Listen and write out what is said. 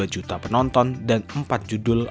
dua juta penonton dan empat judul